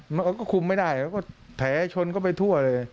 มันก็คุมไม่ได้ก็แผลชนเข้าไปทั่วเลย